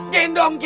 gai dong gai